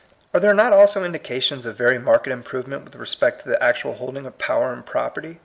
Ai*e there not also indications of very marked improvement with respect to the actual holding of power and property?